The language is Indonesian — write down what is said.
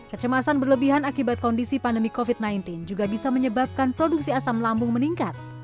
kecemasan berlebihan akibat kondisi pandemi covid sembilan belas juga bisa menyebabkan produksi asam lambung meningkat